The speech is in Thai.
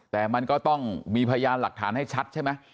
แต่มันก็ต้องมีพยานหลักฐานให้ชัดใช่ไหม